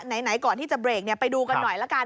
ไหนก่อนที่จะเบรกไปดูกันหน่อยละกัน